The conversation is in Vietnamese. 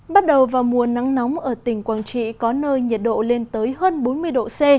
bắt đầu vào mùa nắng nóng ở tỉnh quảng trị có nơi nhiệt độ lên tới hơn bốn mươi độ c